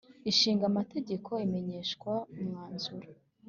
ishinga amategeko imenyeshwa umwanzuro